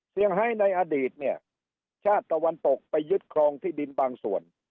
ไฮในอดีตเนี่ยชาติตะวันตกไปยึดครองที่ดินบางส่วน